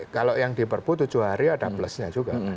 kalau yang di perpu tujuh hari ada plusnya juga